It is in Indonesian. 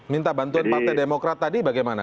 minta bantuan partai demokrat tadi bagaimana